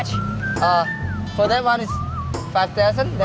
jadi itu lima itu tujuh